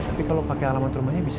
tapi kalau pakai alamat rumahnya bisa